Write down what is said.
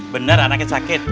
bener anaknya sakit